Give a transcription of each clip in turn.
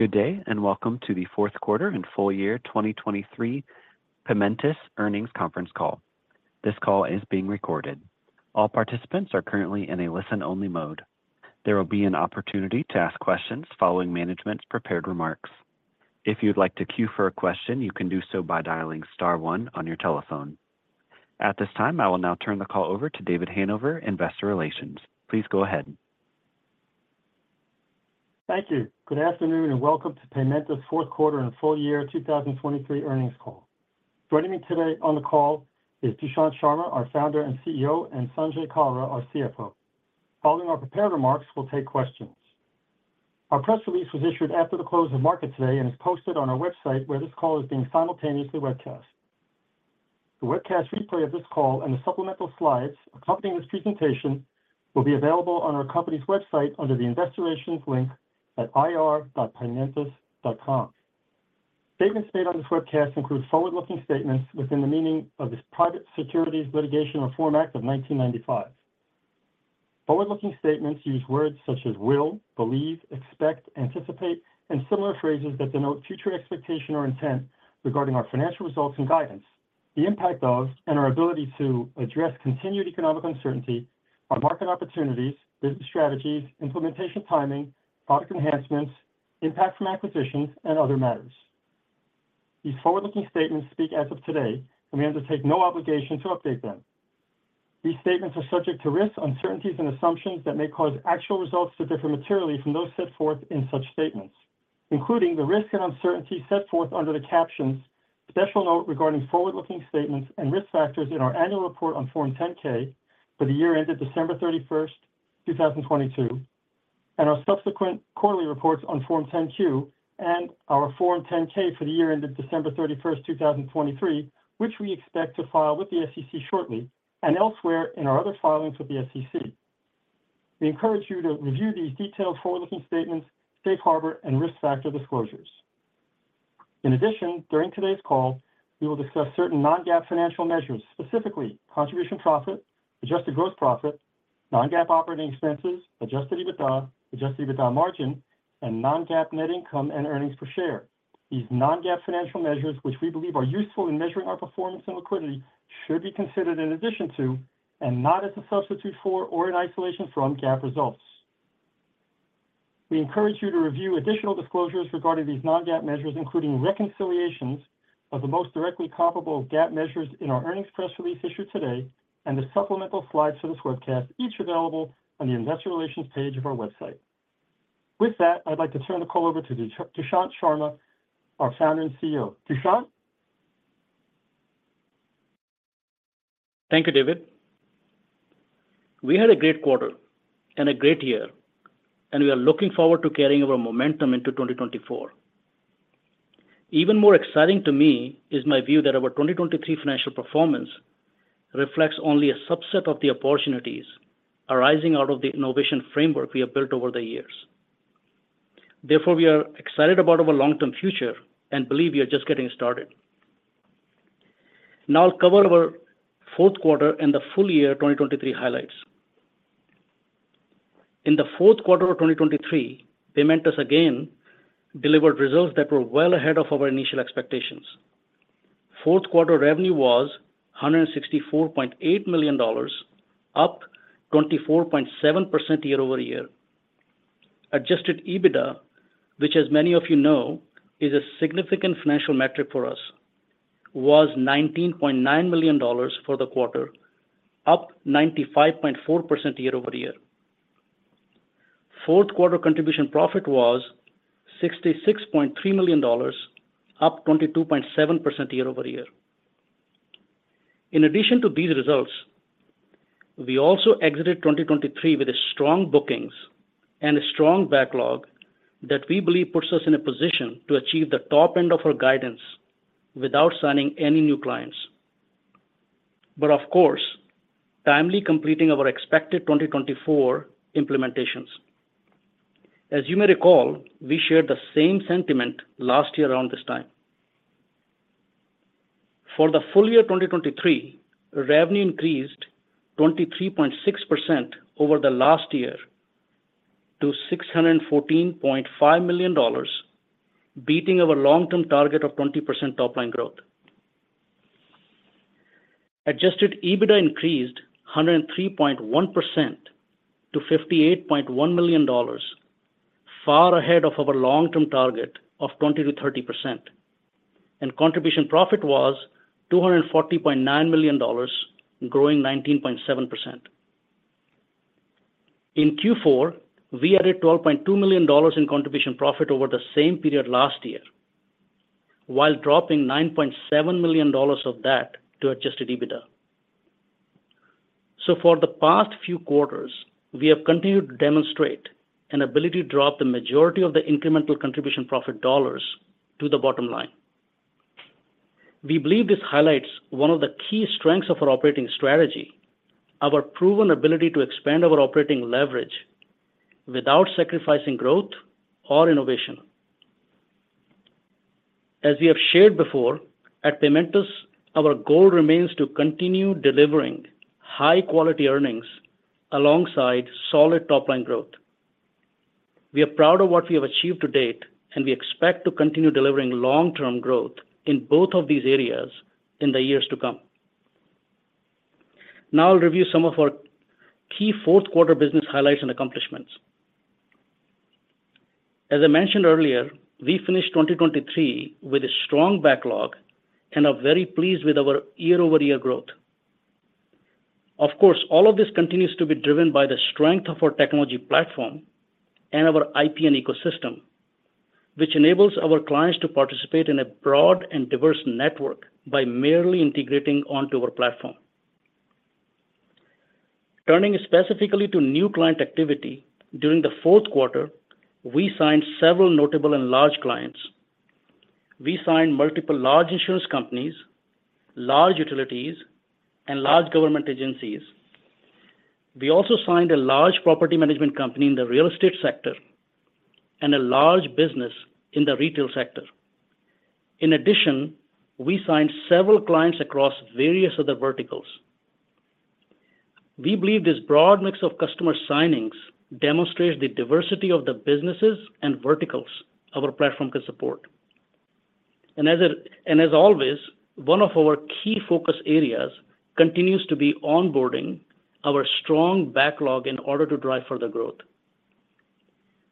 Good day, and welcome to the Q4 and full year 2023 Paymentus Earnings Conference Call. This call is being recorded. All participants are currently in a listen-only mode. There will be an opportunity to ask questions following management's prepared remarks. If you'd like to queue for a question, you can do so by dialing star one on your telephone. At this time, I will now turn the call over to David Hanover, investor relations. Please go ahead. Thank you. Good afternoon, and welcome to Paymentus' Q4 and full year 2023 earnings call. Joining me today on the call is Dushyant Sharma, our Founder and CEO, and Sanjay Kalra, our CFO. Following our prepared remarks, we'll take questions. Our press release was issued after the close of market today and is posted on our website, where this call is being simultaneously webcast. The webcast replay of this call and the supplemental slides accompanying this presentation will be available on our company's website under the Investor Relations link at ir.paymentus.com. Statements made on this webcast include forward-looking statements within the meaning of the Private Securities Litigation Reform Act of 1995. Forward-looking statements use words such as will, believe, expect, anticipate, and similar phrases that denote future expectation or intent regarding our financial results and guidance, the impact those and our ability to address continued economic uncertainty, our market opportunities, business strategies, implementation timing, product enhancements, impact from acquisitions, and other matters. These forward-looking statements speak as of today, and we undertake no obligation to update them. These statements are subject to risks, uncertainties, and assumptions that may cause actual results to differ materially from those set forth in such statements, including the risks and uncertainties set forth under the captions Special Note regarding forward-looking statements and risk factors in our Annual Report on Form 10-K for the year ended December 31, 2022, and our subsequent quarterly reports on Form 10-Q and our Form 10-K for the year ended December 31, 2023, which we expect to file with the SEC shortly, and elsewhere in our other filings with the SEC. We encourage you to review these detailed forward-looking statements, safe harbor, and risk factor disclosures. In addition, during today's call, we will discuss certain non-GAAP financial measures, specifically contribution profit, adjusted gross profit, non-GAAP operating expenses, Adjusted EBITDA, Adjusted EBITDA margin, and non-GAAP net income and earnings per share. These non-GAAP financial measures, which we believe are useful in measuring our performance and liquidity, should be considered in addition to and not as a substitute for or in isolation from GAAP results. We encourage you to review additional disclosures regarding these non-GAAP measures, including reconciliations of the most directly comparable GAAP measures in our earnings press release issued today and the supplemental slides for this webcast, each available on the investor relations page of our website. With that, I'd like to turn the call over to Dushyant Sharma, our Founder and CEO. Dushyant? Thank you, David. We had a great quarter and a great year, and we are looking forward to carrying our momentum into 2024. Even more exciting to me is my view that our 2023 financial performance reflects only a subset of the opportunities arising out of the innovation framework we have built over the years. Therefore, we are excited about our long-term future and believe we are just getting started. Now I'll cover our Q4 and the full year 2023 highlights. In the Q4 of 2023, Paymentus again delivered results that were well ahead of our initial expectations. Q4 revenue was $164.8 million, up 24.7% year-over-year. Adjusted EBITDA, which, as many of you know, is a significant financial metric for us, was $19.9 million for the quarter, up 95.4% year-over-year. Q4 Contribution Profit was $66.3 million, up 22.7% year-over-year. In addition to these results, we also exited 2023 with a strong bookings and a strong backlog that we believe puts us in a position to achieve the top end of our guidance without signing any new clients, but of course, timely completing our expected 2024 implementations. As you may recall, we shared the same sentiment last year around this time. For the full year 2023, revenue increased 23.6% over the last year to $614.5 million, beating our long-term target of 20% top-line growth. Adjusted EBITDA increased 103.1% to $58.1 million, far ahead of our long-term target of 20%-30%, and contribution profit was $240.9 million, growing 19.7%. In Q4, we added $12.2 million in contribution profit over the same period last year, while dropping $9.7 million of that to Adjusted EBITDA. So for the past few quarters, we have continued to demonstrate an ability to drop the majority of the incremental contribution profit dollars to the bottom line. We believe this highlights one of the key strengths of our operating strategy, our proven ability to expand our operating leverage without sacrificing growth or innovation.... As we have shared before, at Paymentus, our goal remains to continue delivering high quality earnings alongside solid top line growth. We are proud of what we have achieved to date, and we expect to continue delivering long-term growth in both of these areas in the years to come. Now I'll review some of our key Q4 business highlights and accomplishments. As I mentioned earlier, we finished 2023 with a strong backlog and are very pleased with our year-over-year growth. Of course, all of this continues to be driven by the strength of our technology platform and our IPN ecosystem, which enables our clients to participate in a broad and diverse network by merely integrating onto our platform. Turning specifically to new client activity, during the Q4, we signed several notable and large clients. We signed multiple large insurance companies, large utilities, and large government agencies. We also signed a large property management company in the real estate sector and a large business in the retail sector. In addition, we signed several clients across various other verticals. We believe this broad mix of customer signings demonstrates the diversity of the businesses and verticals our platform can support. And as always, one of our key focus areas continues to be onboarding our strong backlog in order to drive further growth.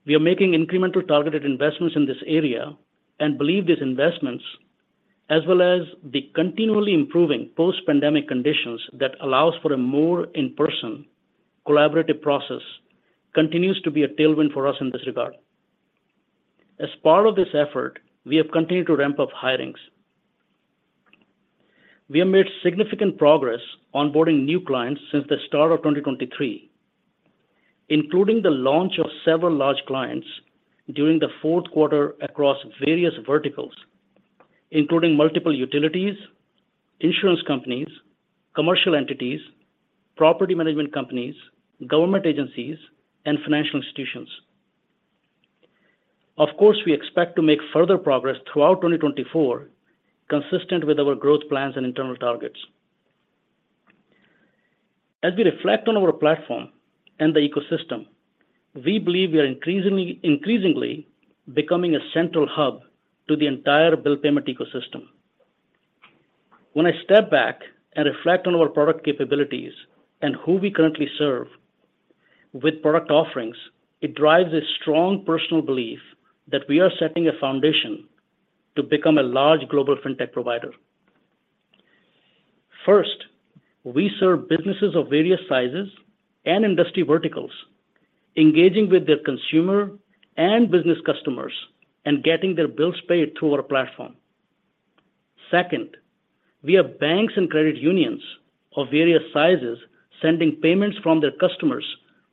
We are making incremental targeted investments in this area and believe these investments, as well as the continually improving post-pandemic conditions that allows for a more in-person collaborative process, continues to be a tailwind for us in this regard. As part of this effort, we have continued to ramp up hirings. We have made significant progress onboarding new clients since the start of 2023, including the launch of several large clients during the Q4 across various verticals, including multiple utilities, insurance companies, commercial entities, property management companies, government agencies, and financial institutions. Of course, we expect to make further progress throughout 2024, consistent with our growth plans and internal targets. As we reflect on our platform and the ecosystem, we believe we are increasingly, increasingly becoming a central hub to the entire bill payment ecosystem. When I step back and reflect on our product capabilities and who we currently serve with product offerings, it drives a strong personal belief that we are setting a foundation to become a large global fintech provider. First, we serve businesses of various sizes and industry verticals, engaging with their consumer and business customers and getting their bills paid through our platform. Second, we have banks and credit unions of various sizes, sending payments from their customers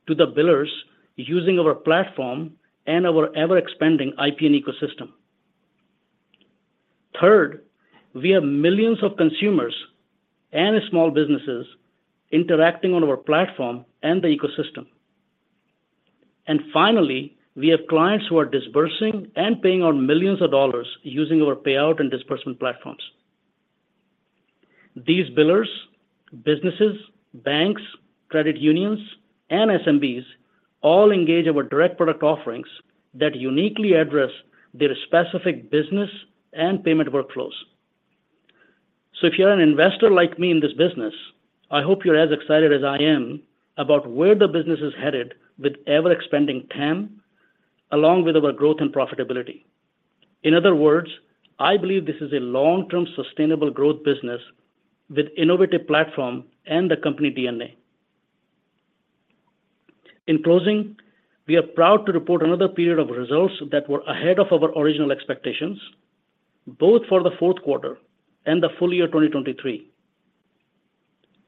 to the billers using our platform and our ever-expanding IPN ecosystem. Third, we have millions of consumers and small businesses interacting on our platform and the ecosystem. Finally, we have clients who are disbursing and paying out millions of dollars using our payout and disbursement platforms. These billers, businesses, banks, credit unions, and SMBs all engage our direct product offerings that uniquely address their specific business and payment workflows. If you're an investor like me in this business, I hope you're as excited as I am about where the business is headed with ever-expanding TAM, along with our growth and profitability. In other words, I believe this is a long-term, sustainable growth business with innovative platform and the company DNA. In closing, we are proud to report another period of results that were ahead of our original expectations, both for the Q4 and the full year 2023.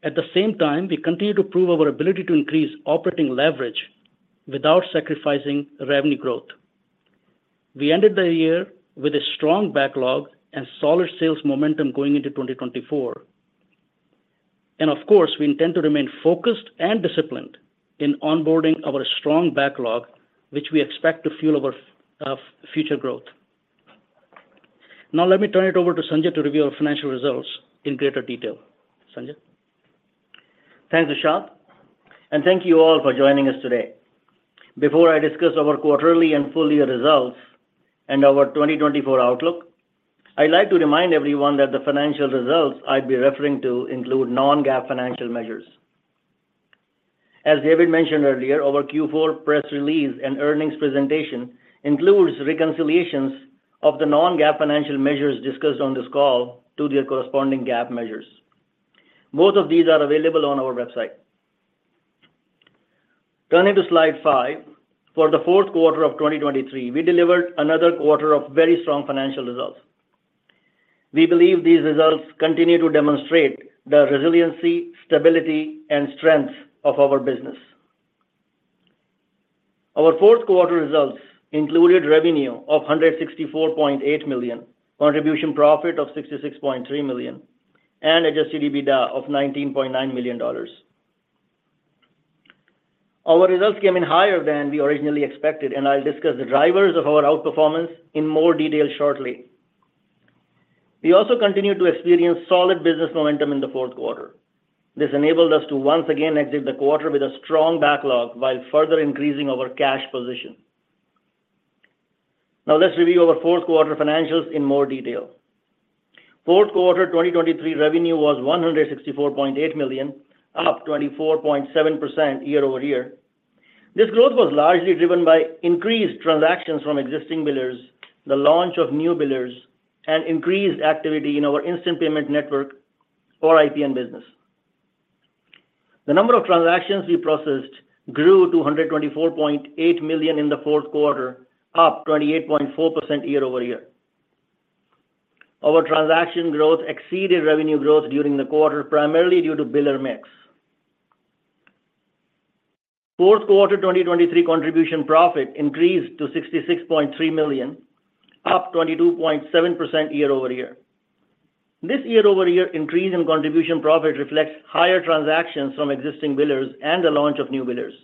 At the same time, we continue to prove our ability to increase operating leverage without sacrificing revenue growth. We ended the year with a strong backlog and solid sales momentum going into 2024. Of course, we intend to remain focused and disciplined in onboarding our strong backlog, which we expect to fuel our future growth. Now let me turn it over to Sanjay to review our financial results in greater detail. Sanjay? Thanks, Dushyant, and thank you all for joining us today. Before I discuss our quarterly and full year results and our 2024 outlook, I'd like to remind everyone that the financial results I'll be referring to include non-GAAP financial measures. As David mentioned earlier, our Q4 press release and earnings presentation includes reconciliations of the non-GAAP financial measures discussed on this call to their corresponding GAAP measures. Both of these are available on our website. Turning to slide five, for the Q4 of 2023, we delivered another quarter of very strong financial results. We believe these results continue to demonstrate the resiliency, stability and strength of our business. Our Q4 results included revenue of $164.8 million, Contribution Profit of $66.3 million, and Adjusted EBITDA of $19.9 million. Our results came in higher than we originally expected, and I'll discuss the drivers of our outperformance in more detail shortly. We also continued to experience solid business momentum in the Q4. This enabled us to once again exit the quarter with a strong backlog while further increasing our cash position. Now let's review our Q4 financials in more detail. Q4 2023 revenue was $164.8 million, up 24.7% year-over-year. This growth was largely driven by increased transactions from existing billers, the launch of new billers, and increased activity in our Instant Payment Network or IPN business. The number of transactions we processed grew to 124.8 million in the Q4, up 28.4% year-over-year. Our transaction growth exceeded revenue growth during the quarter, primarily due to biller mix. Q4, 2023 contribution profit increased to $66.3 million, up 22.7% year-over-year. This year-over-year increase in contribution profit reflects higher transactions from existing billers and the launch of new billers.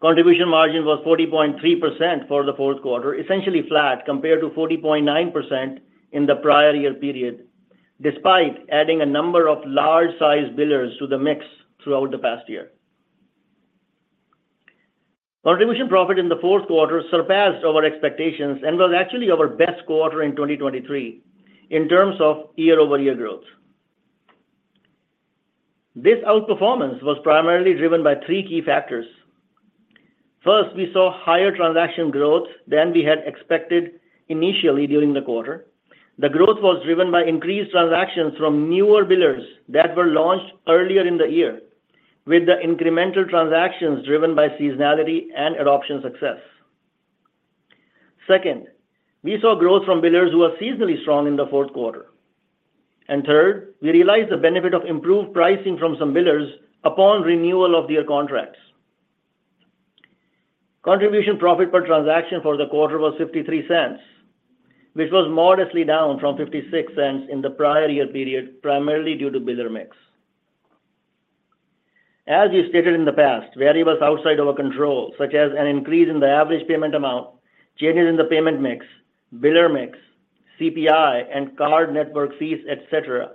Contribution margin was 40.3% for the Q4, essentially flat compared to 40.9% in the prior year period, despite adding a number of large-sized billers to the mix throughout the past year. Contribution profit in the Q4 surpassed our expectations and was actually our best quarter in 2023 in terms of year-over-year growth. This outperformance was primarily driven by three key factors. First, we saw higher transaction growth than we had expected initially during the quarter. The growth was driven by increased transactions from newer billers that were launched earlier in the year, with the incremental transactions driven by seasonality and adoption success. Second, we saw growth from billers who are seasonally strong in the Q4. Third, we realized the benefit of improved pricing from some billers upon renewal of their contracts. Contribution profit per transaction for the quarter was $0.53, which was modestly down from $0.56 in the prior year period, primarily due to biller mix. As we stated in the past, variables outside our control, such as an increase in the average payment amount, changes in the payment mix, biller mix, CPI, and card network fees, et cetera,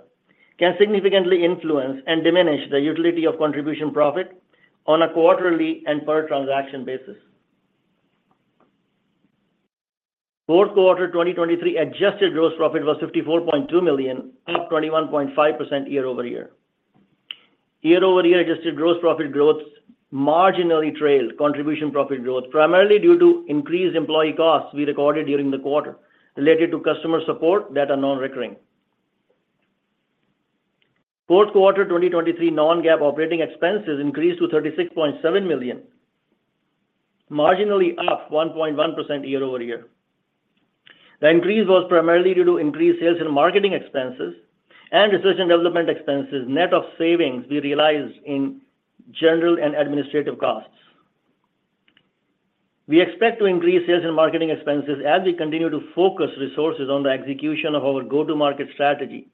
can significantly influence and diminish the utility of contribution profit on a quarterly and per transaction basis. Q4, 2023 adjusted gross profit was $54.2 million, up 21.5% year-over-year. Year-over-year, adjusted gross profit growth marginally trailed contribution profit growth, primarily due to increased employee costs we recorded during the quarter related to customer support that are non-recurring. Q4, 2023 non-GAAP operating expenses increased to $36.7 million, marginally up 1.1% year-over-year. The increase was primarily due to increased sales and marketing expenses and research and development expenses, net of savings we realized in general and administrative costs. We expect to increase sales and marketing expenses as we continue to focus resources on the execution of our go-to-market strategy,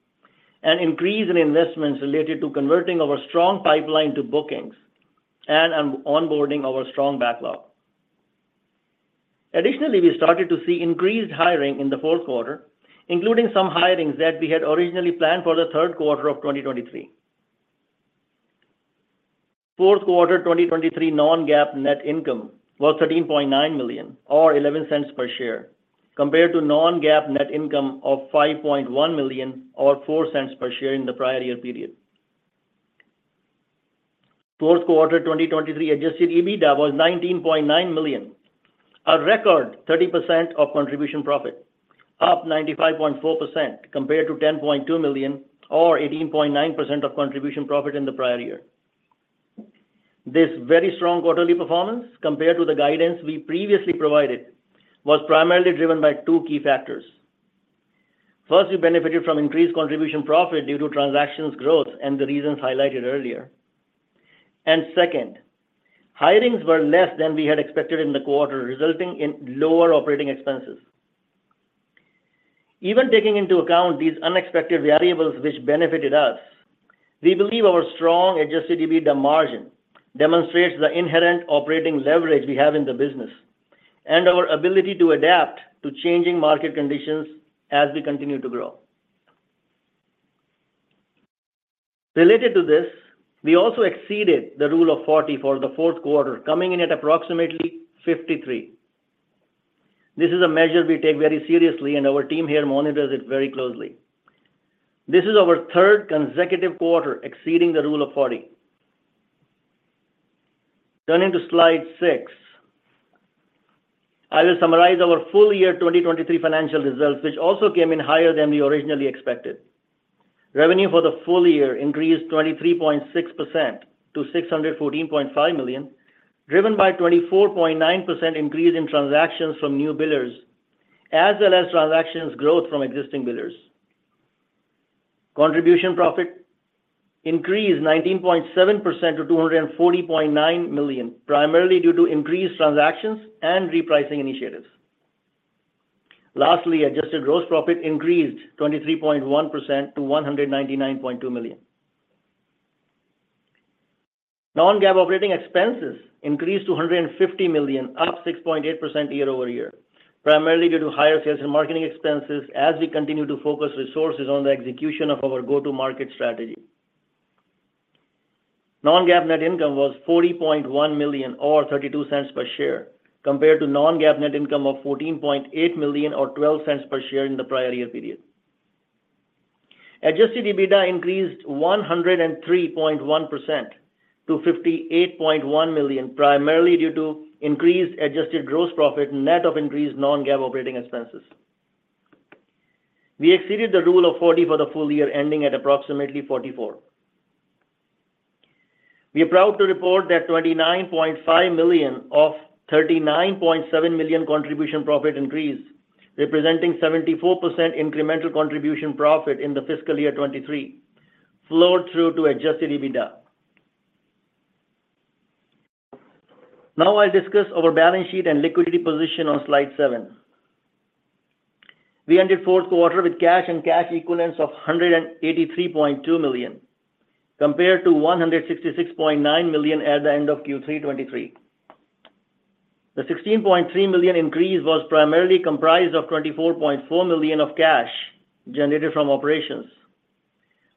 and increase in investments related to converting our strong pipeline to bookings and onboarding our strong backlog. Additionally, we started to see increased hiring in the Q4, including some hirings that we had originally planned for the Q3 of 2023. Q4, 2023 non-GAAP net income was $13.9 million or $0.11 per share, compared to non-GAAP net income of $5.1 million or $0.04 per share in the prior year period. Q4, 2023 Adjusted EBITDA was $19.9 million, a record 30% of contribution profit, up 95.4% compared to $10.2 million or 18.9% of contribution profit in the prior year. This very strong quarterly performance, compared to the guidance we previously provided, was primarily driven by two key factors. First, we benefited from increased contribution profit due to transactions growth and the reasons highlighted earlier. Second, hirings were less than we had expected in the quarter, resulting in lower operating expenses. Even taking into account these unexpected variables which benefited us, we believe our strong Adjusted EBITDA margin demonstrates the inherent operating leverage we have in the business and our ability to adapt to changing market conditions as we continue to grow. Related to this, we also exceeded the Rule of 40 for the Q4, coming in at approximately 53. This is a measure we take very seriously, and our team here monitors it very closely. This is our third consecutive quarter exceeding the Rule of 40. Turning to slide six, I will summarize our full year 2023 financial results, which also came in higher than we originally expected. Revenue for the full year increased 23.6% to $614.5 million, driven by 24.9% increase in transactions from new billers, as well as transactions growth from existing billers. Contribution profit increased 19.7% to $240.9 million, primarily due to increased transactions and repricing initiatives. Lastly, adjusted gross profit increased 23.1% to $199.2 million. Non-GAAP operating expenses increased to $150 million, up 6.8% year-over-year, primarily due to higher sales and marketing expenses as we continue to focus resources on the execution of our go-to-market strategy. Non-GAAP net income was $40.1 million, or $0.32 per share, compared to non-GAAP net income of $14.8 million or $0.12 per share in the prior year period. Adjusted EBITDA increased 103.1% to $58.1 million, primarily due to increased adjusted gross profit, net of increased non-GAAP operating expenses. We exceeded the rule of 40 for the full year, ending at approximately 44. We are proud to report that $29.5 million of $39.7 million contribution profit increase, representing 74% incremental contribution profit in the fiscal year 2023, flowed through to Adjusted EBITDA. Now, I'll discuss our balance sheet and liquidity position on slide seven. We ended Q4 with cash and cash equivalents of $183.2 million, compared to $166.9 million at the end of Q3 2023. The $16.3 million increase was primarily comprised of $24.4 million of cash generated from operations,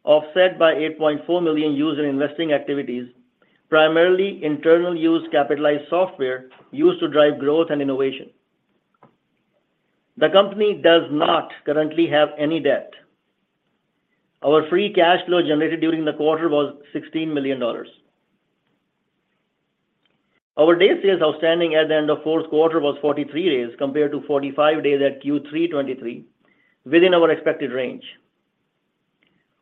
offset by $8.4 million used in investing activities, primarily internal use capitalized software used to drive growth and innovation. The company does not currently have any debt. Our Free Cash Flow generated during the quarter was $16 million. Our Days Sales Outstanding at the end of Q4 was 43 days, compared to 45 days at Q3 2023, within our expected range.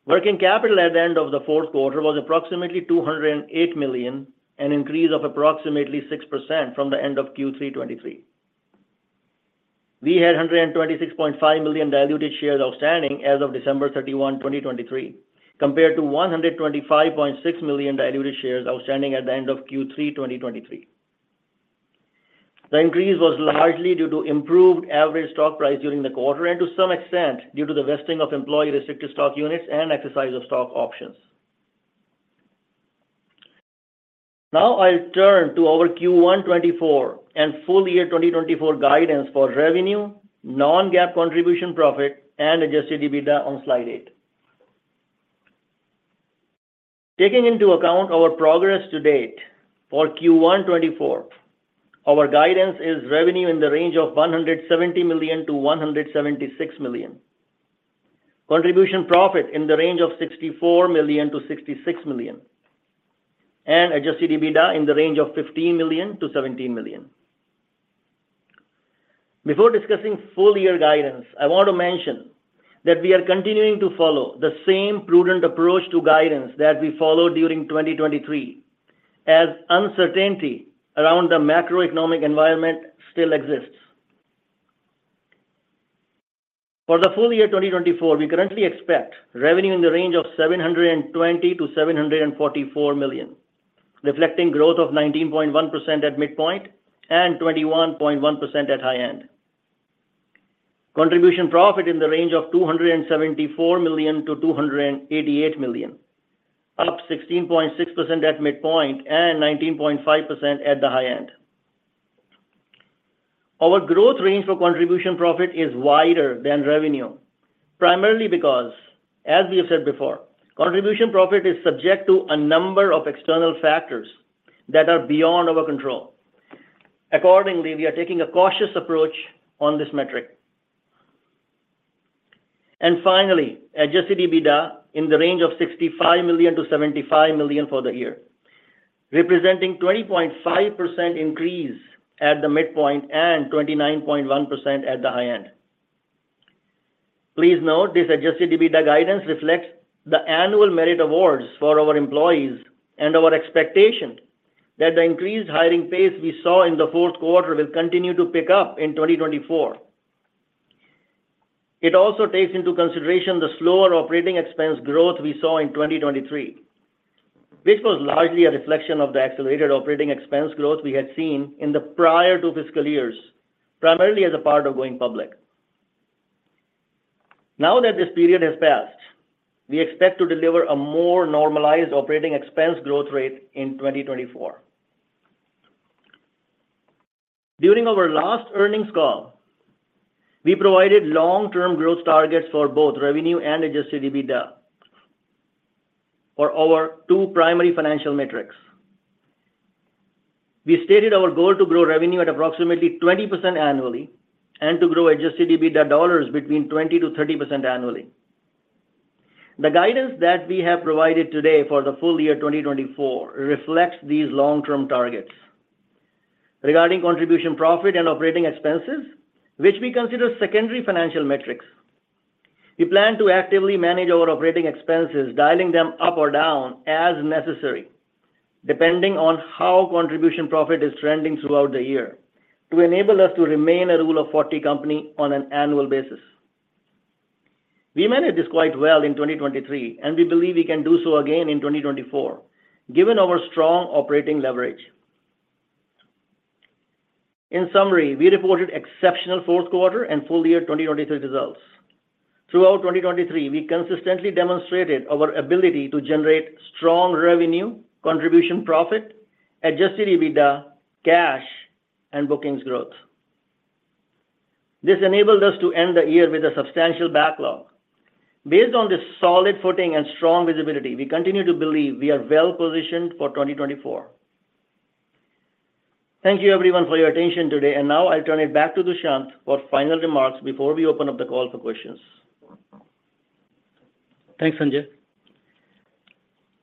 Working capital at the end of the Q4 was approximately $208 million, an increase of approximately 6% from the end of Q3 2023. We had 126.5 million diluted shares outstanding as of December 31, 2023, compared to 125.6 million diluted shares outstanding at the end of Q3 2023. The increase was largely due to improved average stock price during the quarter, and to some extent, due to the vesting of employee restricted stock units and exercise of stock options. Now, I'll turn to our Q1 2024 and full year 2024 guidance for revenue, non-GAAP contribution profit, and Adjusted EBITDA on slide eight. Taking into account our progress to date for Q1 2024, our guidance is revenue in the range of $170 million-$176 million. Contribution profit in the range of $64 million-$66 million, and Adjusted EBITDA in the range of $15 million-$17 million. Before discussing full year guidance, I want to mention that we are continuing to follow the same prudent approach to guidance that we followed during 2023, as uncertainty around the macroeconomic environment still exists. For the full year 2024, we currently expect revenue in the range of $720 million-$744 million, reflecting growth of 19.1% at midpoint and 21.1% at high end. Contribution profit in the range of $274 million-$288 million, up 16.6% at midpoint and 19.5% at the high end. Our growth range for contribution profit is wider than revenue, primarily because, as we have said before, contribution profit is subject to a number of external factors that are beyond our control. Accordingly, we are taking a cautious approach on this metric. And finally, Adjusted EBITDA in the range of $65 million-$75 million for the year, representing 20.5% increase at the midpoint and 29.1% at the high end. Please note, this Adjusted EBITDA guidance reflects the annual merit awards for our employees and our expectation that the increased hiring pace we saw in the Q4 will continue to pick up in 2024. It also takes into consideration the slower operating expense growth we saw in 2023, which was largely a reflection of the accelerated operating expense growth we had seen in the prior two fiscal years, primarily as a part of going public. Now that this period has passed, we expect to deliver a more normalized operating expense growth rate in 2024. During our last earnings call, we provided long-term growth targets for both revenue and Adjusted EBITDA for our two primary financial metrics. We stated our goal to grow revenue at approximately 20% annually and to grow Adjusted EBITDA dollars between 20%-30% annually. The guidance that we have provided today for the full year 2024 reflects these long-term targets. Regarding contribution profit and operating expenses, which we consider secondary financial metrics, we plan to actively manage our operating expenses, dialing them up or down as necessary, depending on how contribution profit is trending throughout the year, to enable us to remain a Rule of 40 company on an annual basis. We managed this quite well in 2023, and we believe we can do so again in 2024, given our strong operating leverage. In summary, we reported exceptional Q4 and full year 2023 results. Throughout 2023, we consistently demonstrated our ability to generate strong revenue, contribution profit, Adjusted EBITDA, cash, and bookings growth. This enabled us to end the year with a substantial backlog. Based on this solid footing and strong visibility, we continue to believe we are well positioned for 2024. Thank you everyone for your attention today, and now I turn it back to Dushyant for final remarks before we open up the call for questions. Thanks, Sanjay.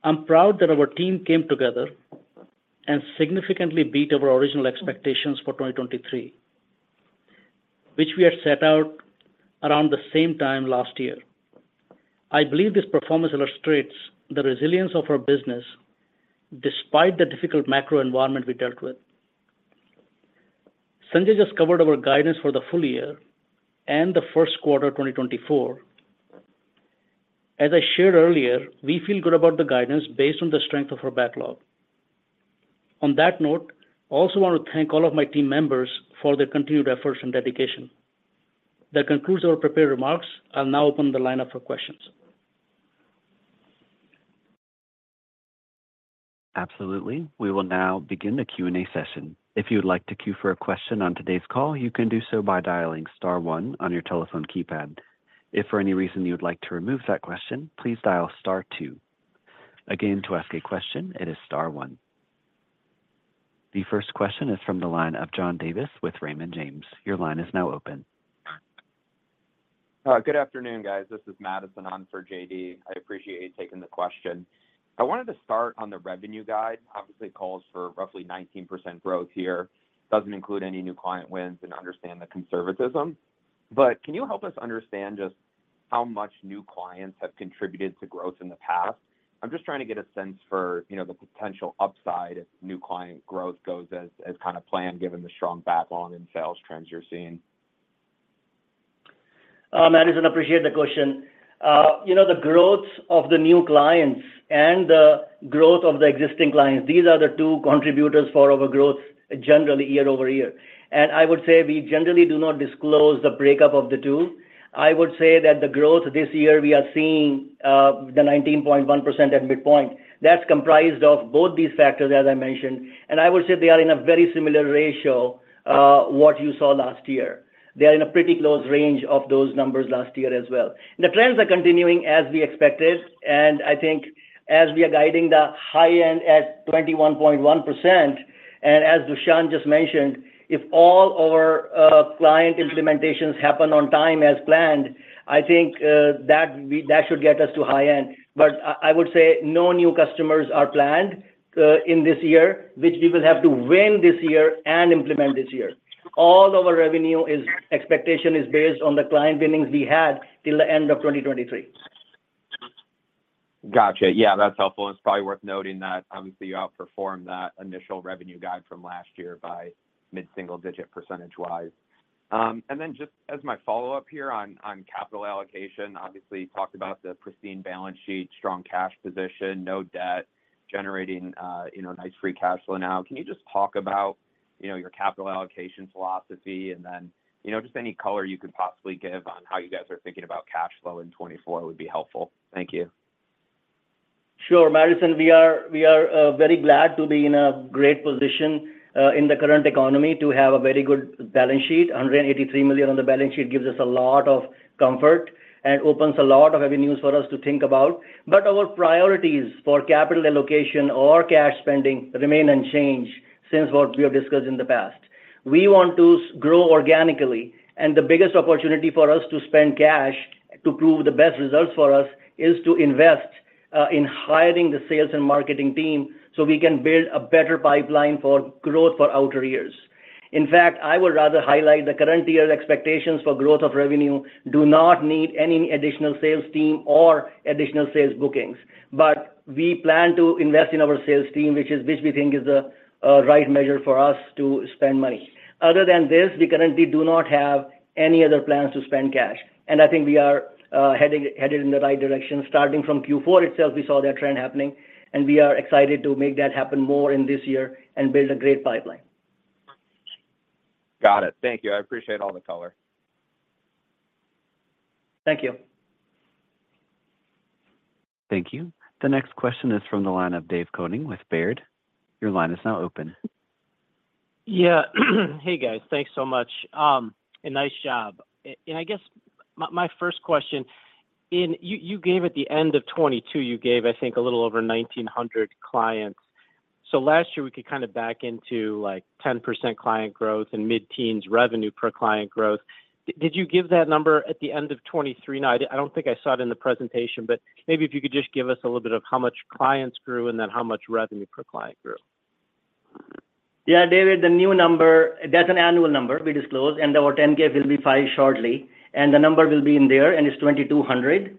I'm proud that our team came together and significantly beat our original expectations for 2023, which we had set out around the same time last year. I believe this performance illustrates the resilience of our business despite the difficult macro environment we dealt with. Sanjay just covered our guidance for the full year and the Q1 2024. As I shared earlier, we feel good about the guidance based on the strength of our backlog. On that note, I also want to thank all of my team members for their continued efforts and dedication. That concludes our prepared remarks. I'll now open the line up for questions. Absolutely. We will now begin the Q&A session. If you would like to queue for a question on today's call, you can do so by dialing star one on your telephone keypad. If for any reason you would like to remove that question, please dial star two. Again, to ask a question, it is star one. The first question is from the line of John Davis with Raymond James. Your line is now open. Good afternoon, guys. This is Madison on for JD. I appreciate you taking the question. I wanted to start on the revenue guide. Obviously, it calls for roughly 19% growth here. Doesn't include any new client wins and understand the conservatism. But can you help us understand just how much new clients have contributed to growth in the past? I'm just trying to get a sense for, you know, the potential upside if new client growth goes as, as kind of planned, given the strong backlog and sales trends you're seeing. Madison, appreciate the question. You know, the growth of the new clients and the growth of the existing clients, these are the two contributors for our growth generally year over year. And I would say we generally do not disclose the breakup of the two. I would say that the growth this year, we are seeing, the 19.1% at midpoint. That's comprised of both these factors, as I mentioned, and I would say they are in a very similar ratio, what you saw last year. They are in a pretty close range of those numbers last year as well. The trends are continuing as we expected, and I think as we are guiding the high end at 21.1%, and as Dushyant just mentioned, if all our client implementations happen on time as planned, I think that we that should get us to high end. But I would say no new customers are planned in this year, which we will have to win this year and implement this year. All of our revenue expectation is based on the client winnings we had till the end of 2023. Gotcha. Yeah, that's helpful, and it's probably worth noting that obviously, you outperformed that initial revenue guide from last year by mid-single-digit percentage-wise. And then just as my follow-up here on capital allocation, obviously, you talked about the pristine balance sheet, strong cash position, no debt, generating, you know, nice Free Cash Flow. Now, can you just talk about, you know, your capital allocation philosophy, and then, you know, just any color you could possibly give on how you guys are thinking about cash flow in 2024 would be helpful. Thank you. Sure, Madison. We are very glad to be in a great position in the current economy to have a very good balance sheet. $183 million on the balance sheet gives us a lot of comfort and opens a lot of avenues for us to think about. But our priorities for capital allocation or cash spending remain unchanged since what we have discussed in the past. We want to grow organically, and the biggest opportunity for us to spend cash to prove the best results for us is to invest in hiring the sales and marketing team, so we can build a better pipeline for growth for outer years. In fact, I would rather highlight the current year expectations for growth of revenue do not need any additional sales team or additional sales bookings. But we plan to invest in our sales team, which we think is the right measure for us to spend money. Other than this, we currently do not have any other plans to spend cash, and I think we are headed in the right direction. Starting from Q4 itself, we saw that trend happening, and we are excited to make that happen more in this year and build a great pipeline. Got it. Thank you. I appreciate all the color. Thank you. Thank you. The next question is from the line of Dave Koning with Baird. Your line is now open. Yeah. Hey, guys. Thanks so much. And nice job. And I guess my first question, in... You gave at the end of 2020, you gave, I think, a little over 1,900 clients. So last year, we could kind of back into, like, 10% client growth and mid-teens revenue per client growth. Did you give that number at the end of 2023? Now, I don't think I saw it in the presentation, but maybe if you could just give us a little bit of how much clients grew and then how much revenue per client grew. Yeah, David, the new number, that's an annual number we disclosed, and our 10-K will be filed shortly, and the number will be in there, and it's 2,200....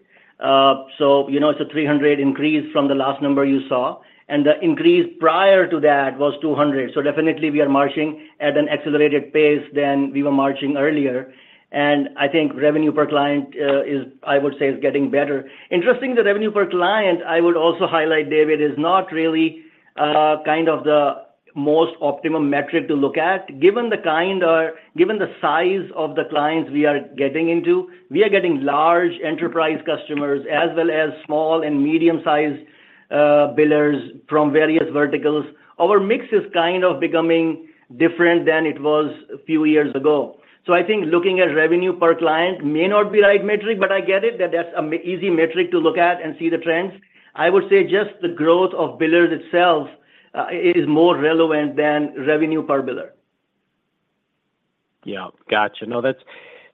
so, you know, it's a 300 increase from the last number you saw, and the increase prior to that was 200. So definitely we are marching at an accelerated pace than we were marching earlier. And I think revenue per client, is, I would say, is getting better. Interesting, the revenue per client, I would also highlight, David, is not really, kind of the most optimum metric to look at. Given the kind or given the size of the clients we are getting into, we are getting large enterprise customers as well as small and medium-sized, billers from various verticals. Our mix is kind of becoming different than it was a few years ago. So I think looking at revenue per client may not be right metric, but I get it, that that's an easy metric to look at and see the trends. I would say just the growth of billers itself is more relevant than revenue per biller. Yeah. Got you. No, that's,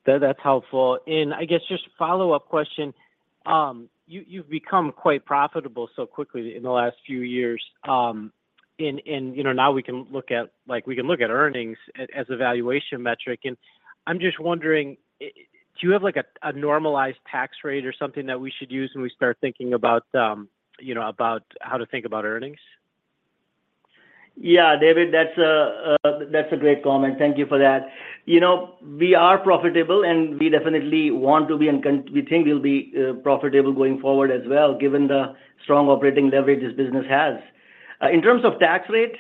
that's helpful. And I guess just a follow-up question. You've become quite profitable so quickly in the last few years. And, you know, now we can look at, like, we can look at earnings as a valuation metric. And I'm just wondering, do you have, like, a normalized tax rate or something that we should use when we start thinking about, you know, about how to think about earnings? Yeah, David, that's a great comment. Thank you for that. You know, we are profitable, and we definitely want to be, and we think we'll be profitable going forward as well, given the strong operating leverage this business has. In terms of tax rate,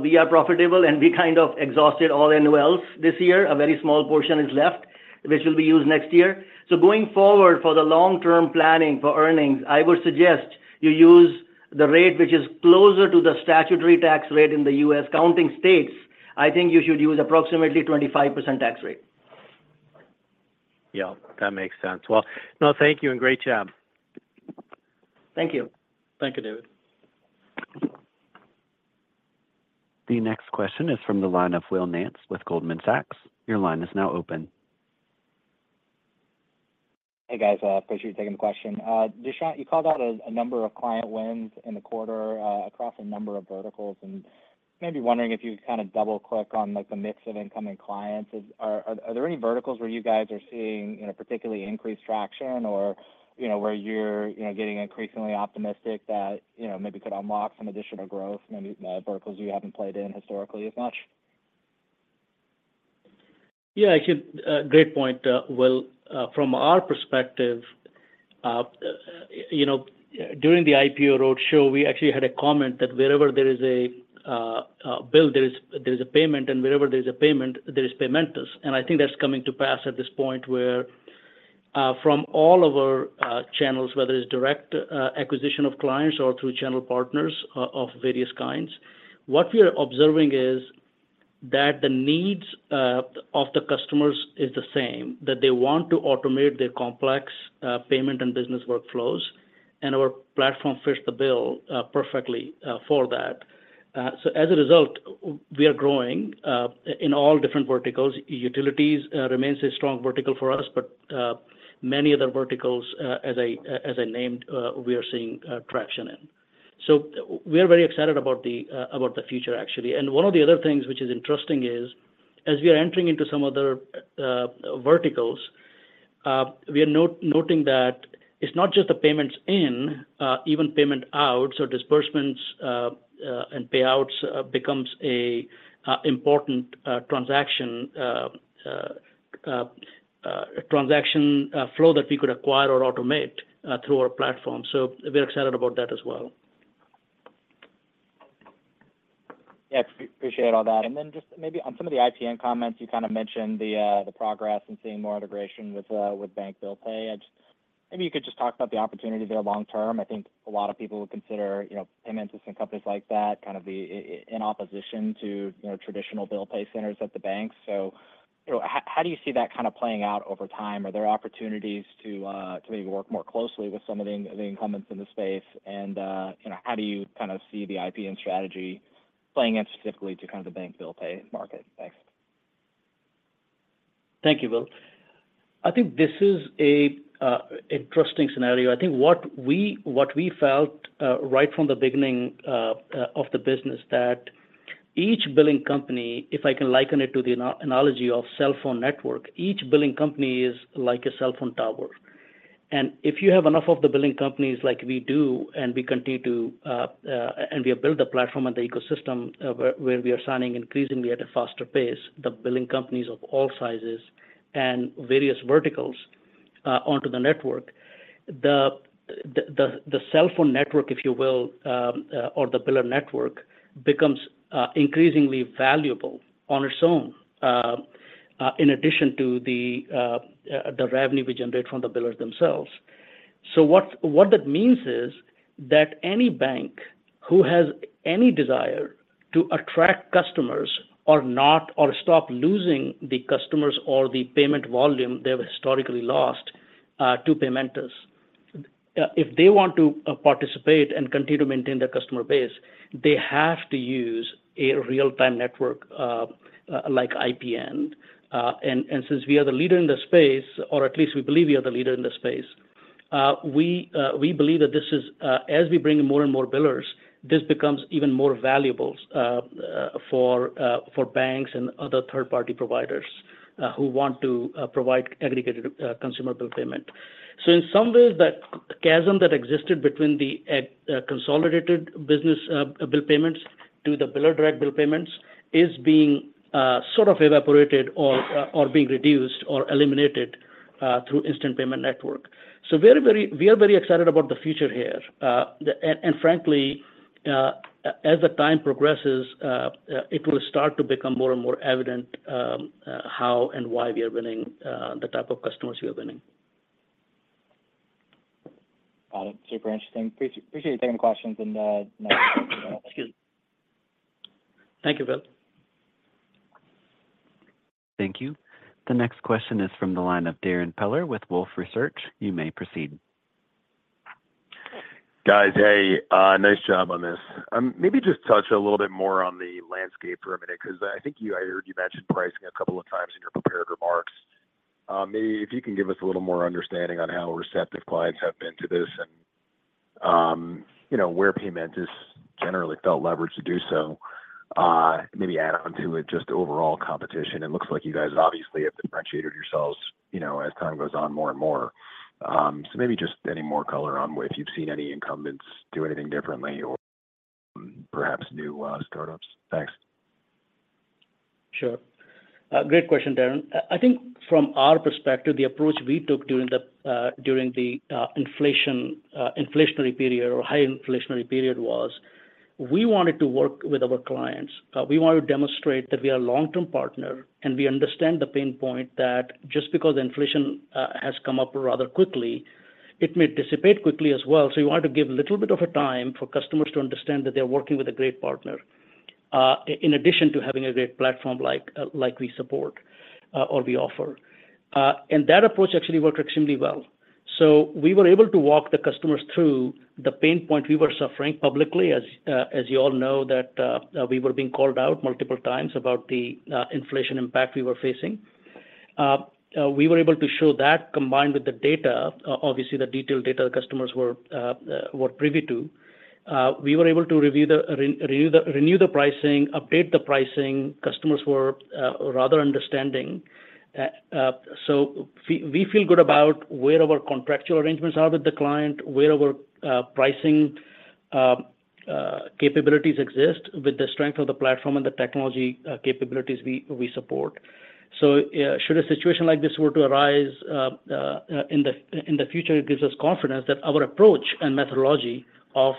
we are profitable, and we kind of exhausted all NOLs this year. A very small portion is left, which will be used next year. So going forward, for the long-term planning for earnings, I would suggest you use the rate which is closer to the statutory tax rate in the U.S. Counting states, I think you should use approximately 25% tax rate. Yeah, that makes sense. Well, no, thank you, and great job. Thank you. Thank you, David. The next question is from the line of Will Nance with Goldman Sachs. Your line is now open. Hey, guys, appreciate you taking the question. Dushyant, you called out a number of client wins in the quarter, across a number of verticals, and maybe wondering if you could kind of double-click on, like, the mix of incoming clients. Are, are there any verticals where you guys are seeing, you know, particularly increased traction or, you know, where you're, you know, getting increasingly optimistic that, you know, maybe could unlock some additional growth, maybe, verticals you haven't played in historically as much? Yeah, I can. Great point, Will. From our perspective, you know, during the IPO roadshow, we actually had a comment that wherever there is a bill, there is a payment, and wherever there's a payment, there is Paymentus. And I think that's coming to pass at this point, where from all of our channels, whether it's direct acquisition of clients or through channel partners of various kinds, what we are observing is that the needs of the customers is the same, that they want to automate their complex payment and business workflows, and our platform fits the bill perfectly for that. So as a result, we are growing in all different verticals. Utilities remains a strong vertical for us, but many other verticals, as I named, we are seeing traction in. So we are very excited about the future, actually. And one of the other things which is interesting is, as we are entering into some other verticals, we are noting that it's not just the payments in, even payment out, so disbursements and payouts becomes a important transaction flow that we could acquire or automate through our platform. So we're excited about that as well. Yeah, appreciate all that. And then just maybe on some of the IPN comments, you kind of mentioned the progress and seeing more integration with bank bill pay. I just, maybe you could just talk about the opportunity there long term. I think a lot of people would consider, you know, Paymentus and companies like that, kind of in opposition to, you know, traditional bill pay centers at the banks. So, you know, how do you see that kind of playing out over time? Are there opportunities to maybe work more closely with some of the incumbents in the space? And, you know, how do you kind of see the IPN strategy playing in specifically to kind of the bank bill pay market? Thanks. Thank you, Will. I think this is an interesting scenario. I think what we felt right from the beginning of the business, that each billing company, if I can liken it to the analogy of cell phone network, each billing company is like a cell phone tower. And if you have enough of the billing companies like we do, and we continue to build the platform and the ecosystem where we are signing increasingly at a faster pace, the billing companies of all sizes and various verticals onto the network, the cell phone network, if you will, or the biller network, becomes increasingly valuable on its own in addition to the revenue we generate from the billers themselves. So what that means is that any bank who has any desire to attract customers or not or stop losing the customers or the payment volume they've historically lost to Paymentus, if they want to participate and continue to maintain their customer base, they have to use a real-time network like IPN. And since we are the leader in the space, or at least we believe we are the leader in the space, we believe that this is, as we bring in more and more billers, this becomes even more valuable for banks and other third-party providers who want to provide aggregated consumer bill payment. So in some ways, that chasm that existed between the consolidated business bill payments to the Biller Direct bill payments is being sort of evaporated or, or being reduced or eliminated through Instant Payment Network. So we are very, we are very excited about the future here. And, and frankly, as the time progresses, it will start to become more and more evident how and why we are winning the type of customers we are winning. Got it. Super interesting. Appreciate you taking the questions and, Excuse me. Thank you, Will. Thank you. The next question is from the line of Darrin Peller with Wolfe Research. You may proceed. Guys, hey, nice job on this. Maybe just touch a little bit more on the landscape for a minute, 'cause I think you, I heard you mention pricing a couple of times in your prepared remarks. Maybe if you can give us a little more understanding on how receptive clients have been to this and, you know, where Paymentus has generally felt leverage to do so. Maybe add on to it just the overall competition. It looks like you guys obviously have differentiated yourselves, you know, as time goes on more and more. So maybe just any more color on whether if you've seen any incumbents do anything differently or perhaps new, startups. Thanks. Sure. Great question, Darrin. I think from our perspective, the approach we took during the inflationary period or high inflationary period was, we wanted to work with our clients. We wanted to demonstrate that we are a long-term partner, and we understand the pain point, that just because inflation has come up rather quickly, it may dissipate quickly as well. So we wanted to give a little bit of a time for customers to understand that they're working with a great partner, in addition to having a great platform like we support or we offer. And that approach actually worked extremely well. So we were able to walk the customers through the pain point we were suffering publicly. As you all know, that we were being called out multiple times about the inflation impact we were facing. We were able to show that, combined with the data, obviously, the detailed data the customers were privy to. We were able to renew the pricing, update the pricing. Customers were rather understanding. We feel good about where our contractual arrangements are with the client, where our pricing capabilities exist, with the strength of the platform and the technology capabilities we support. Should a situation like this were to arise, in the future, it gives us confidence that our approach and methodology of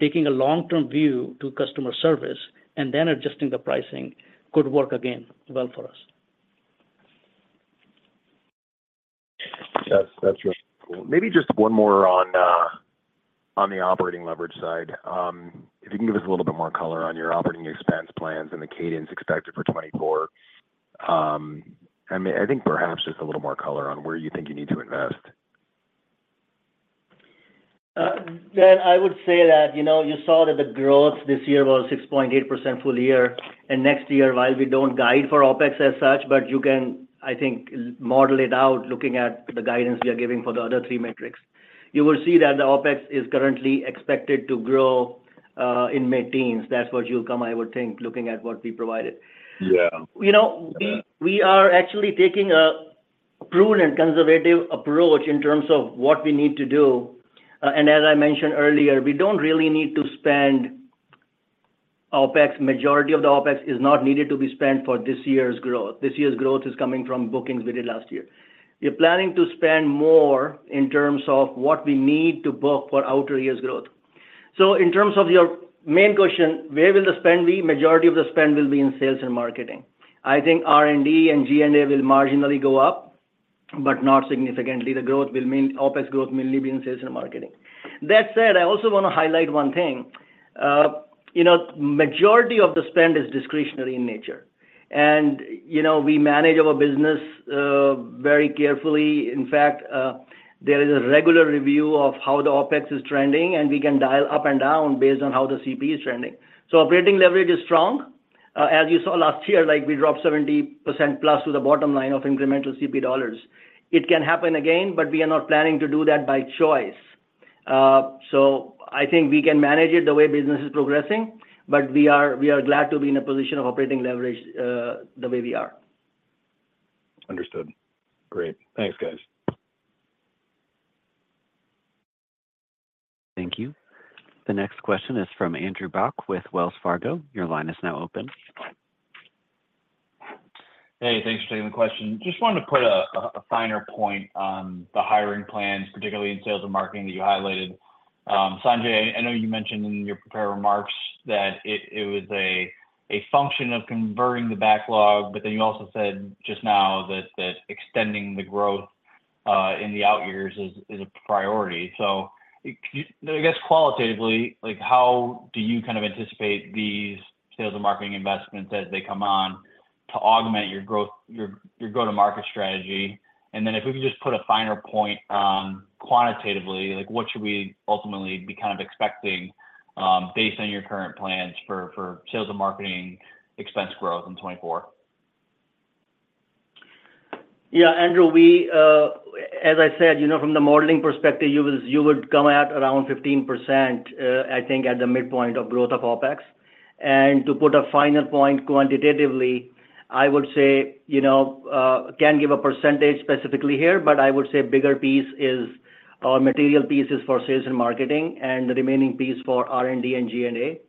taking a long-term view to customer service and then adjusting the pricing could work again well for us. Yes, that's really cool. Maybe just one more on the operating leverage side. If you can give us a little bit more color on your operating expense plans and the cadence expected for 2024. And maybe, I think perhaps just a little more color on where you think you need to invest. Then I would say that, you know, you saw that the growth this year was 6.8% full year, and next year, while we don't guide for OpEx as such, but you can, I think, model it out, looking at the guidance we are giving for the other three metrics. You will see that the OpEx is currently expected to grow in mid-teens. That's what you'll come, I would think, looking at what we provided. Yeah. You know, we are actually taking a prudent and conservative approach in terms of what we need to do. And as I mentioned earlier, we don't really need to spend OpEx. Majority of the OpEx is not needed to be spent for this year's growth. This year's growth is coming from bookings we did last year. We're planning to spend more in terms of what we need to book for future year's growth. So in terms of your main question, where will the spend be? Majority of the spend will be in sales and marketing. I think R&D and G&A will marginally go up, but not significantly. OpEx growth will mainly be in sales and marketing. That said, I also want to highlight one thing. You know, majority of the spend is discretionary in nature. You know, we manage our business very carefully. In fact, there is a regular review of how the OpEx is trending, and we can dial up and down based on how the CP is trending. Operating leverage is strong. As you saw last year, like, we dropped 70%+ to the bottom line of incremental CP dollars. It can happen again, but we are not planning to do that by choice. I think we can manage it the way business is progressing, but we are, we are glad to be in a position of operating leverage the way we are. Understood. Great. Thanks, guys. Thank you. The next question is from Andrew Bauch with Wells Fargo. Your line is now open. Hey, thanks for taking the question. Just wanted to put a finer point on the hiring plans, particularly in sales and marketing, that you highlighted. Sanjay, I know you mentioned in your prepared remarks that it was a function of converting the backlog, but then you also said just now that extending the growth in the out years is a priority. So could you, I guess qualitatively, like, how do you kind of anticipate these sales and marketing investments as they come on to augment your growth, your go-to-market strategy? And then if we could just put a finer point on quantitatively, like, what should we ultimately be kind of expecting, based on your current plans for sales and marketing expense growth in 2024?... Yeah, Andrew, we, as I said, you know, from the modeling perspective, you will, you would come out around 15%, I think at the midpoint of growth of OpEx. And to put a final point quantitatively, I would say, you know, can't give a percentage specifically here, but I would say bigger piece is, or material piece is for sales and marketing, and the remaining piece for R&D and G&A.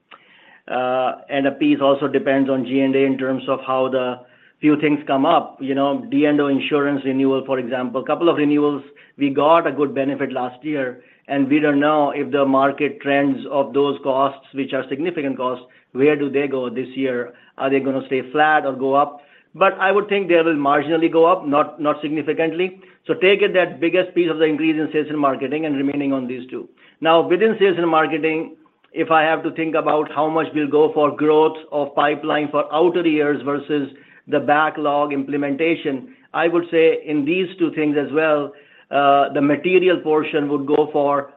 And a piece also depends on G&A in terms of how the few things come up. You know, the end of insurance renewal, for example, a couple of renewals, we got a good benefit last year, and we don't know if the market trends of those costs, which are significant costs, where do they go this year? Are they gonna stay flat or go up? I would think they will marginally go up, not, not significantly. So take it that biggest piece of the increase in sales and marketing and remaining on these two. Now, within sales and marketing, if I have to think about how much will go for growth of pipeline for outer years versus the backlog implementation, I would say in these two things as well, the material portion would go for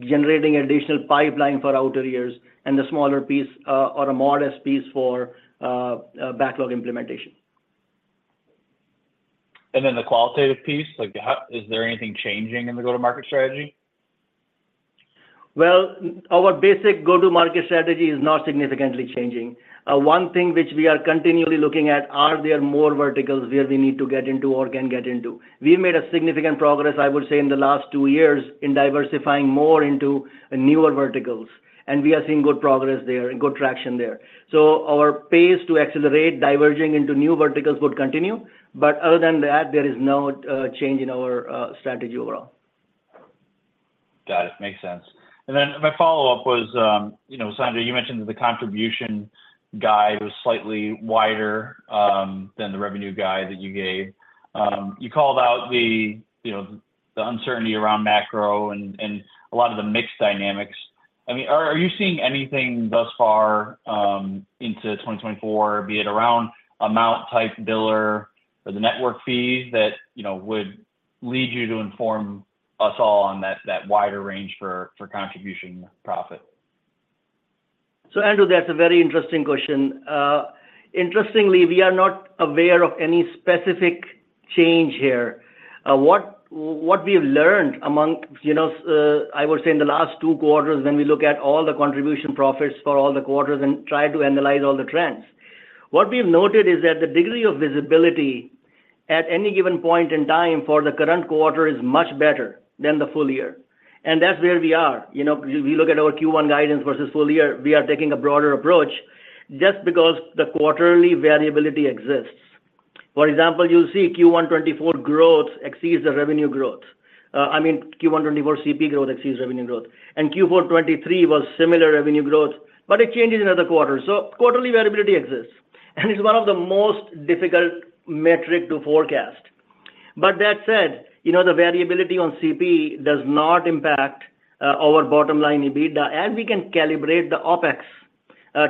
generating additional pipeline for outer years and the smaller piece, or a modest piece for backlog implementation. The qualitative piece, like, how... Is there anything changing in the go-to-market strategy? Well, our basic go-to-market strategy is not significantly changing. One thing which we are continually looking at, are there more verticals where we need to get into or can get into? We've made a significant progress, I would say, in the last two years in diversifying more into newer verticals, and we are seeing good progress there and good traction there. So our pace to accelerate diverging into new verticals would continue, but other than that, there is no change in our strategy overall. Got it. Makes sense. And then my follow-up was, you know, Sanjay, you mentioned that the contribution guide was slightly wider than the revenue guide that you gave. You called out the, you know, the uncertainty around macro and a lot of the mix dynamics. I mean, are you seeing anything thus far into 2024, be it around amount type biller or the network fees that, you know, would lead you to inform us all on that wider range for contribution profit? So, Andrew, that's a very interesting question. Interestingly, we are not aware of any specific change here. What we've learned among, you know, I would say in the last two quarters, when we look at all the contribution profits for all the quarters and try to analyze all the trends, what we've noted is that the degree of visibility at any given point in time for the current quarter is much better than the full year, and that's where we are. You know, we look at our Q1 guidance versus full year, we are taking a broader approach just because the quarterly variability exists. For example, you'll see Q1 2024 growth exceeds the revenue growth. I mean, Q1 2024 CP growth exceeds revenue growth, and Q4 2023 was similar revenue growth, but it changes in another quarter. So quarterly variability exists, and it's one of the most difficult metric to forecast. But that said, you know, the variability on CP does not impact our bottom line, EBITDA, and we can calibrate the OpEx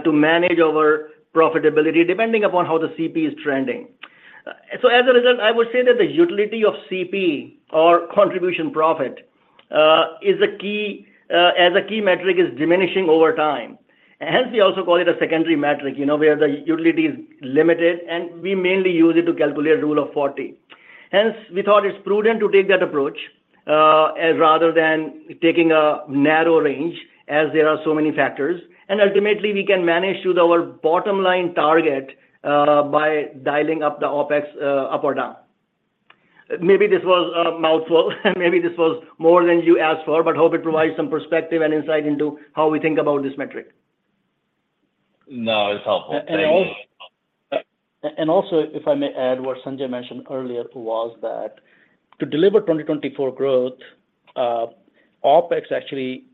to manage our profitability depending upon how the CP is trending. So as a result, I would say that the utility of CP or contribution profit is a key, as a key metric, is diminishing over time. Hence, we also call it a secondary metric, you know, where the utility is limited, and we mainly use it to calculate Rule of 40. Hence, we thought it's prudent to take that approach rather than taking a narrow range, as there are so many factors. And ultimately, we can manage to our bottom line target by dialing up the OpEx up or down. Maybe this was a mouthful, maybe this was more than you asked for, but hope it provides some perspective and insight into how we think about this metric. No, it's helpful. Thank you. Also, if I may add, what Sanjay mentioned earlier was that to deliver 2024 growth, OpEx actually,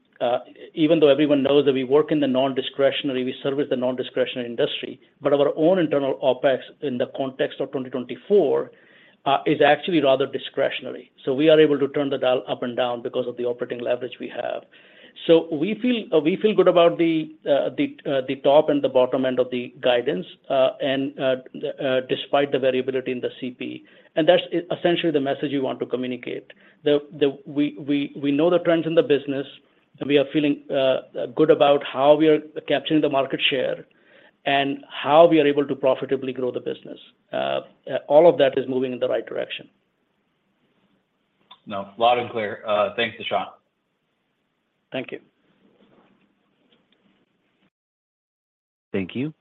even though everyone knows that we work in the non-discretionary, we service the non-discretionary industry, but our own internal OpEx in the context of 2024, is actually rather discretionary. So we are able to turn the dial up and down because of the operating leverage we have. So we feel, we feel good about the, the, the top and the bottom end of the guidance, and, despite the variability in the CPI, and that's essentially the message we want to communicate. The, we know the trends in the business, and we are feeling, good about how we are capturing the market share and how we are able to profitably grow the business. All of that is moving in the right direction. No, loud and clear. Thanks, Dushyant. Thank you. Thank you.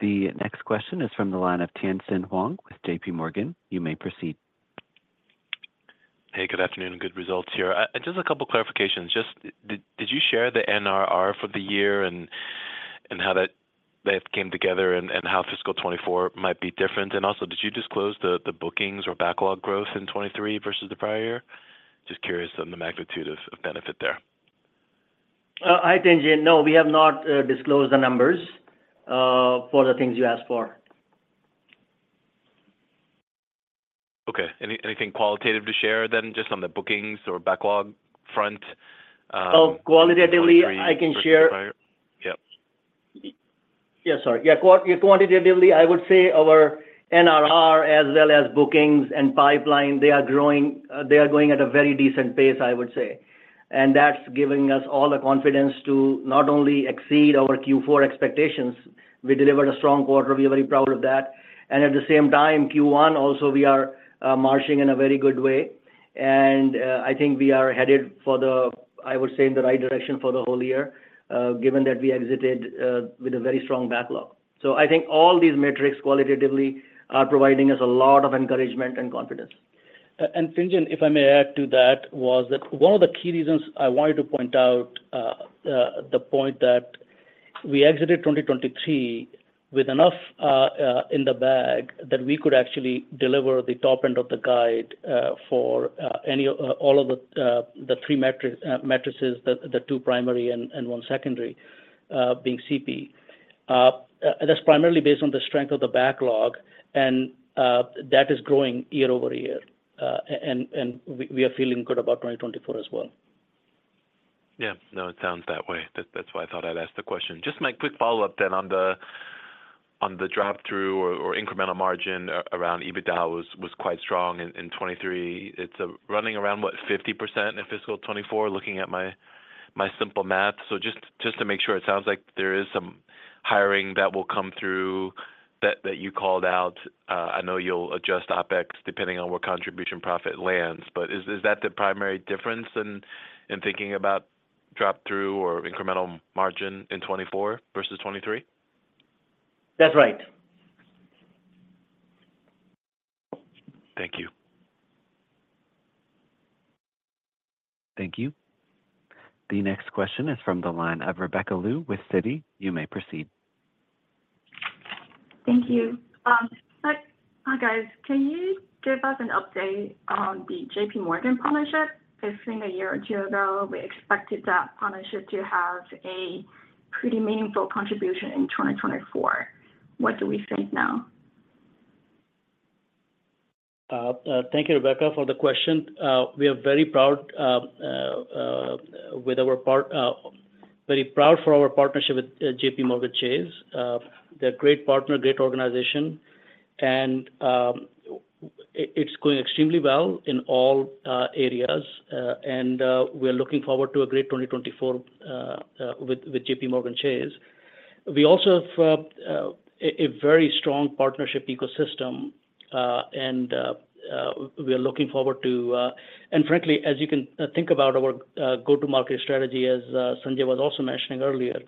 The next question is from the line of Tien-Tsin Huang with J.P. Morgan. You may proceed. Hey, good afternoon, and good results here. Just a couple clarifications. Did you share the NRR for the year and how that came together, and how fiscal 2024 might be different? Also, did you disclose the bookings or backlog growth in 2023 versus the prior year? Just curious on the magnitude of benefit there. Hi, Tien-Tsin Huang. No, we have not disclosed the numbers for the things you asked for. Okay. Anything qualitative to share then, just on the bookings or backlog front? Oh, qualitatively, I can share. Yep. Yeah, sorry. Yeah, quantitatively, I would say our NRR as well as bookings and pipeline, they are growing. They are going at a very decent pace, I would say. And that's giving us all the confidence to not only exceed our Q4 expectations. We delivered a strong quarter, we are very proud of that. And at the same time, Q1 also, we are marching in a very good way. And I think we are headed for the, I would say, in the right direction for the whole year, given that we exited with a very strong backlog. So I think all these metrics qualitatively are providing us a lot of encouragement and confidence. And Tien-Tsin Huang, if I may add to that, that was one of the key reasons I wanted to point out the point that we exited 2023 with enough in the bag that we could actually deliver the top end of the guide for any of all of the three metrics, the two primary and one secondary being CP. That's primarily based on the strength of the backlog, and we are feeling good about 2024 as well. Yeah. No, it sounds that way. That's why I thought I'd ask the question. Just my quick follow-up then on the drop-through or incremental margin around EBITDA was quite strong in 2023. It's running around, what, 50% in fiscal 2024, looking at my simple math. So just to make sure, it sounds like there is some hiring that will come through that you called out. I know you'll adjust OpEx depending on where contribution profit lands, but is that the primary difference in thinking about drop-through or incremental margin in 2024 versus 2023? That's right. Thank you. Thank you. The next question is from the line of Rebecca Lu with Citi. You may proceed. Thank you. Hi, guys. Can you give us an update on the JPMorgan partnership? I think a year or two ago, we expected that partnership to have a pretty meaningful contribution in 2024. What do we think now? Thank you, Rebecca, for the question. We are very proud for our partnership with JPMorgan Chase. They're a great partner, great organization, and it's going extremely well in all areas. We are looking forward to a great 2024 with JPMorgan Chase. We also have a very strong partnership ecosystem, and we are looking forward to... Frankly, as you can think about our go-to-market strategy, as Sanjay was also mentioning earlier,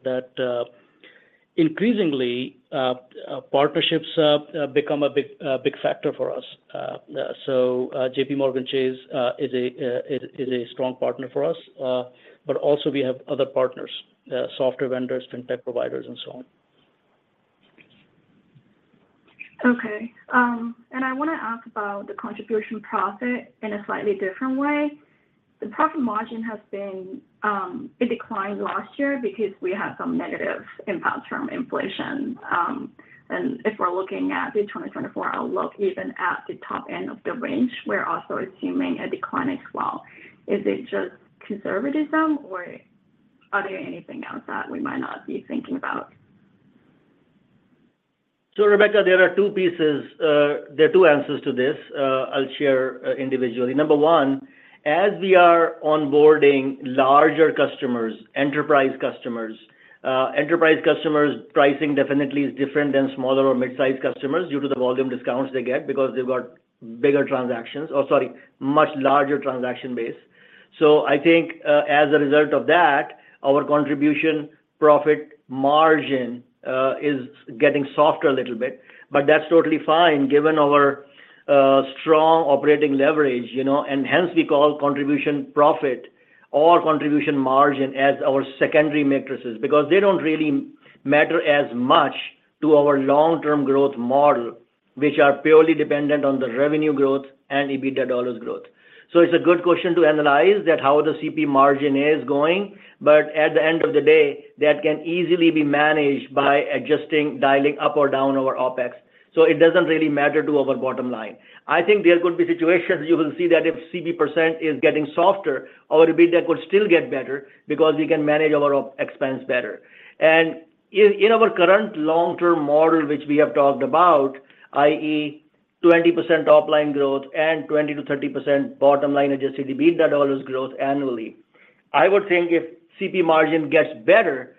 that increasingly partnerships become a big factor for us. So, JPMorgan Chase is a strong partner for us, but also we have other partners, software vendors, fintech providers, and so on. Okay. And I wanna ask about the contribution profit in a slightly different way. The profit margin has been, it declined last year because we had some negative impacts from inflation. And if we're looking at the 2024 outlook, even at the top end of the range, we're also assuming a decline as well. Is it just conservatism, or are there anything else that we might not be thinking about? So Rebecca, there are two pieces. There are two answers to this. I'll share individually. Number one, as we are onboarding larger customers, enterprise customers, enterprise customers' pricing definitely is different than smaller or mid-sized customers due to the volume discounts they get because they've got bigger transactions, or sorry, much larger transaction base. So I think, as a result of that, our contribution profit margin is getting softer a little bit, but that's totally fine given our strong operating leverage, you know, and hence we call contribution profit or contribution margin as our secondary metrics. Because they don't really matter as much to our long-term growth model, which are purely dependent on the revenue growth and EBITDA dollars growth. So it's a good question to analyze that how the CP margin is going, but at the end of the day, that can easily be managed by adjusting, dialing up or down our OpEx. So it doesn't really matter to our bottom line. I think there could be situations you will see that if CP percent is getting softer, our EBITDA could still get better because we can manage our OpEx expense better. And in our current long-term model, which we have talked about, i.e., 20% top line growth and 20%-30% bottom line Adjusted EBITDA dollars growth annually, I would think if CP margin gets better,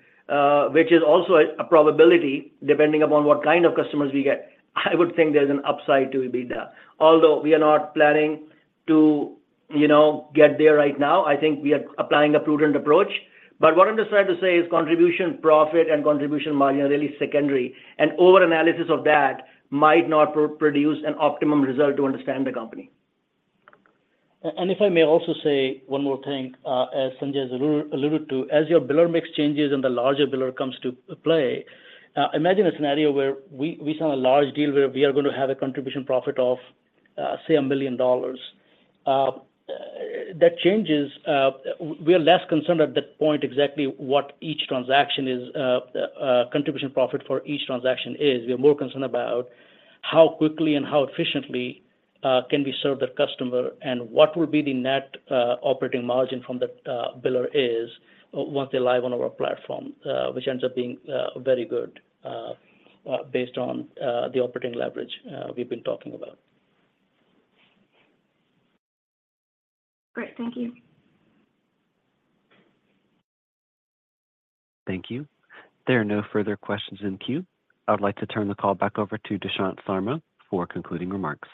which is also a probability, depending upon what kind of customers we get, I would think there's an upside to EBITDA. Although we are not planning to, you know, get there right now, I think we are applying a prudent approach. But what I'm just trying to say is Contribution Profit, and contribution margin are really secondary, and overanalysis of that might not produce an optimum result to understand the company. And if I may also say one more thing, as Sanjay has alluded to, as your biller mix changes and the larger biller comes to play, imagine a scenario where we sign a large deal where we are going to have a contribution profit of, say, $1 million. That changes, we are less concerned at that point exactly what each transaction is, contribution profit for each transaction is. We are more concerned about how quickly and how efficiently can we serve the customer, and what will be the net operating margin from that biller is, once they're live on our platform, which ends up being very good, based on the operating leverage we've been talking about. Great. Thank you. Thank you. There are no further questions in queue. I'd like to turn the call back over to Dushyant Sharma for concluding remarks.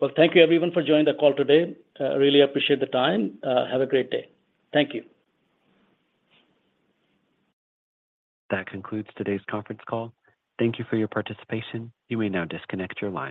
Well, thank you everyone for joining the call today. Really appreciate the time. Have a great day. Thank you. That concludes today's conference call. Thank you for your participation. You may now disconnect your lines.